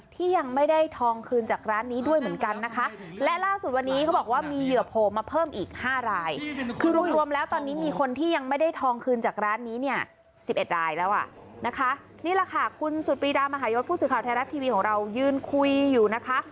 ที่ยังไม่ได้ทองคืนจากร้านนี้ด้วยเหมือนกันนะคะ